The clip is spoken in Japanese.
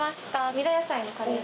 三浦野菜のカレー。